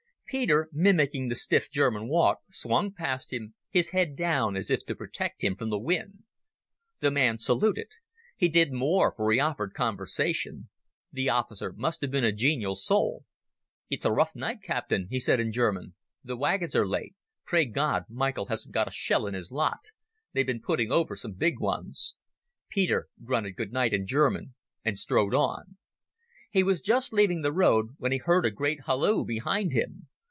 Peter, mimicking the stiff German walk, swung past him, his head down as if to protect him from the wind. The man saluted. He did more, for he offered conversation. The officer must have been a genial soul. "It's a rough night, Captain," he said in German. "The wagons are late. Pray God, Michael hasn't got a shell in his lot. They've begun putting over some big ones." Peter grunted good night in German and strode on. He was just leaving the road when he heard a great halloo behind him.